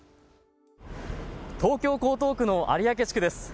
東京江東区の有明地区です。